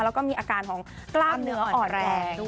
แล้วก็มีอาการของกล้ามเนื้ออ่อนแรงด้วย